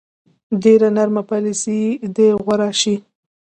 ډېره نرمه پالیسي دې غوره شي.